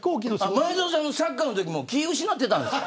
前園さんのサッカーのときも気を失ってたんですか。